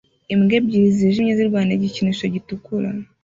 imbwa ebyiri zijimye zirwanira igikinisho gitukura